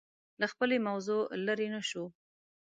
له خپلې موضوع لرې نه شو